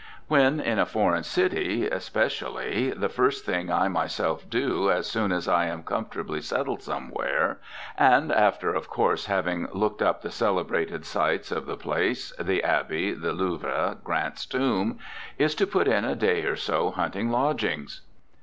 When in a foreign city, especially, the first thing I myself do, as soon as I am comfortably settled somewhere and after, of course, having looked up the celebrated sights of the place, the Abbey, the Louvre, Grant's Tomb is to put in a day or so hunting lodgings.